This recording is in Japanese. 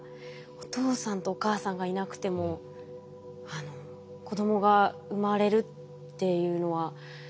お父さんとお母さんがいなくても子どもが生まれるっていうのは。